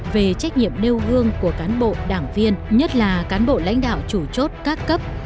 về trách nhiệm nêu gương của cán bộ đảng viên nhất là cán bộ lãnh đạo chủ chốt các cấp